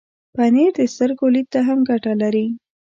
پنېر د سترګو لید ته هم ګټه لري.